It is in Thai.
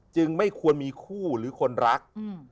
ไม่ควรมีคู่หรือคนรัก